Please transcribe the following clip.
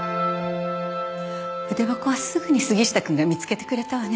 筆箱はすぐに杉下くんが見つけてくれたわね。